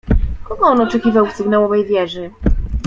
"Kogo on oczekiwał w sygnałowej wieży?"